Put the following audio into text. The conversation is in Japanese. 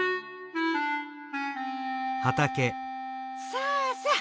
さあさあ